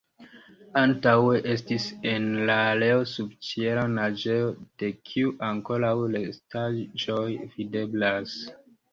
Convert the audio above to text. Antaŭe estis en la areo subĉiela naĝejo, de kiu ankoraŭ restaĵoj videblas.